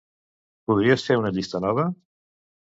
Podries fer una llista nova?